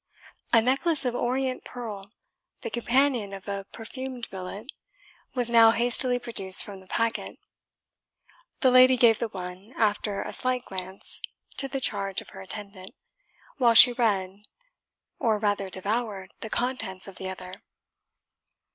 A necklace of orient pearl, the companion of a perfumed billet, was now hastily produced from the packet. The lady gave the one, after a slight glance, to the charge of her attendant, while she read, or rather devoured, the contents of the other.